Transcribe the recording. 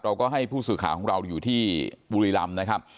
เราก็ให้ผู้สื่อข่าวของเราอยู่ที่บุรีรำนะครับ